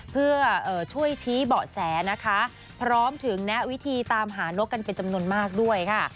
เพื่อช่วยชี้เบาะแสนะคะพร้อมถึงแนะวิธีตามหานกกันเป็นจำนวนมากด้วยค่ะ